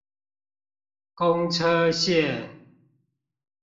公車線